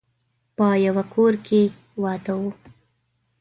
په يوه کور کې واده و.